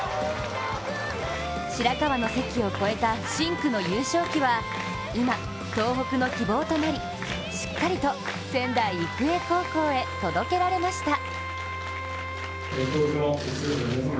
白河の関を超えた深紅の優勝旗は今、東北の希望となりしっかりと仙台育英高校へ届けられました。